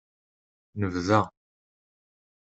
Nebda.